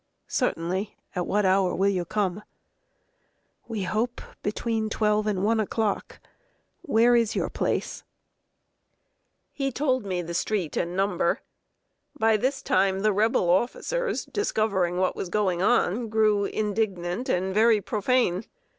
"Certainly. At what hour will you come?" "We hope, between twelve and one o'clock. Where is your place?" [Sidenote: THE PRISON OFFICERS ENRAGED.] He told me the street and number. By this time, the Rebel officers, discovering what was going on, grew indignant and very profane.